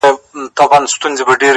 • نن دي دواړي سترگي سرې په خاموشۍ كـي،